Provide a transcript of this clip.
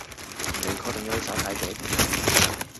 你確定要去耍太極？